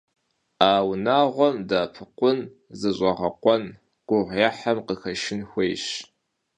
А унагъуэм дэӀэпыкъун, зыщӀэгъэкъуэн, гугъуехьым къыхэшын хуейщ.